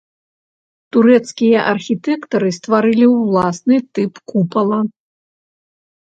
Турэцкія архітэктары стварылі ўласны тып купала.